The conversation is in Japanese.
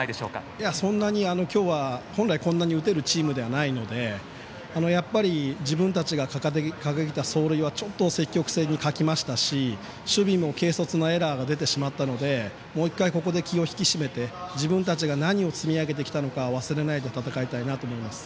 いや、それは本来こんなに打てるチームではないので自分たちが掲げた走塁は積極性に欠けましたし守備も、軽率なエラーが出てしまったのでもう１回、気を引き締めて自分たちが何を積み上げてきたのか、忘れないで戦いたいなと思います。